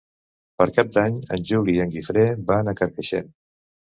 Per Cap d'Any en Juli i en Guifré van a Carcaixent.